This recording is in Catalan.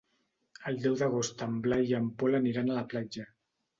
El deu d'agost en Blai i en Pol aniran a la platja.